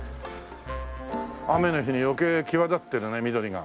雨の日に余計際立ってるね緑が。